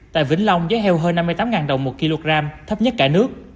tại vĩnh long giá heo hơn năm mươi tám đồng một kg thấp nhất cả nước